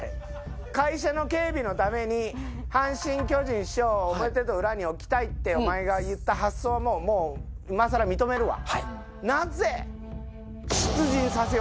会社の警備のために阪神・巨人師匠を表と裏に置きたいってお前が言った発想ももう今さら認めるわ。